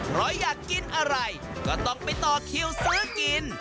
เพราะอยากกินอะไรก็ต้องไปต่อคิวซื้อกิน